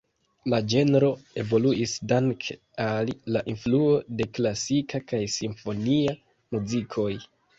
La ĝenro evoluis danke al la influo de klasika kaj simfonia muzikoj.